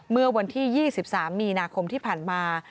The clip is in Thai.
เมื่อวันที่๒๓มีนาคมที่ผ่านมา